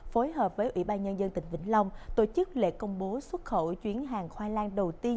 phối hợp với ủy ban nhân dân tỉnh vĩnh long tổ chức lễ công bố xuất khẩu chuyến hàng khoai lang đầu tiên